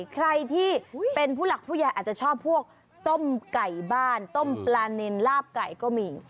ใครที่เป็นผู้หลักผู้ใหญ่อาจจะชอบพวกต้มไก่บ้านต้มปลานินลาบไก่ก็มี